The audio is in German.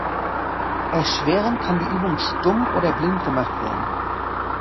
Erschwerend kann die Übung stumm oder blind gemacht werden.